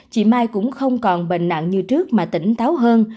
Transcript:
chị mai cũng không còn bệnh nặng như trước mà tỉnh táo hơn